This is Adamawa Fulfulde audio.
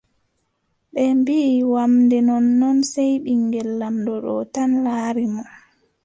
Ɓe mbiʼi wamnde nonnnon, sey ɓiŋngel laamɗo ɗo tan laari mo.